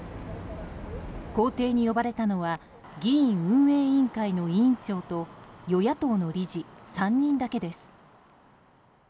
公邸に呼ばれたのは議院運営委員会の委員長と与野党の理事３人だけです。